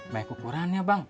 baik ukurannya bang